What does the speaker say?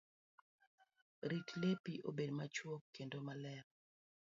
Rit lepi obed machuok kendo maler.